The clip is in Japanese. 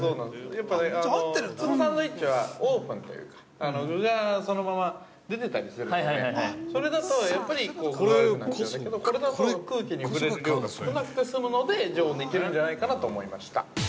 やっぱね普通のサンドイッチはオープンというか具がそのまま出てたりするので、それだとやっぱり具が悪くなっちゃうんだけどこれだと空気に触れる量が少なくて済むので常温でいけるんじゃないかなと思いました。